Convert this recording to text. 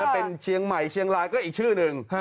เป็นเชียงใหม่เชียงรายก็อีกชื่อหนึ่ง